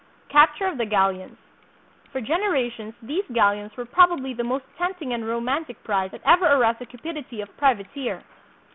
Capture of the Galleons. For generations these gal leons were probably the most tempting and romantic prize that ever aroused the cupidity of privateer.